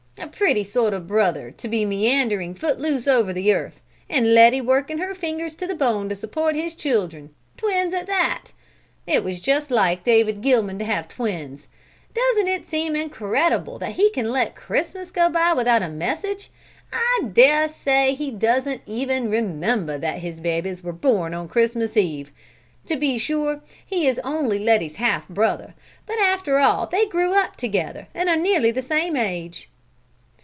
A pretty sort of brother to be meandering foot loose over the earth, and Letty working her fingers to the bone to support his children twins at that! It was just like David Gilman to have twins! Doesn't it seem incredible that he can let Christmas go by without a message? I dare say he doesn't even remember that his babies were born on Christmas eve. To be sure he is only Letty's half brother, but after all they grew up together and are nearly the same age."